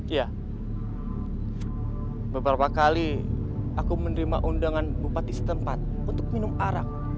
ya beberapa kali aku menerima undangan bupati setempat untuk minum arak